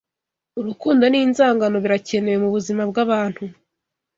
urukundo n'inzangano, birakenewe mubuzima bwabantu